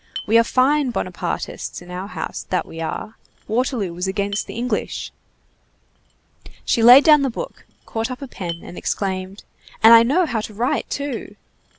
We are fine Bonapartists in our house, that we are! Waterloo was against the English." She laid down the book, caught up a pen, and exclaimed:— "And I know how to write, too!"